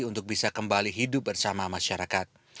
untuk bisa kembali hidup bersama masyarakat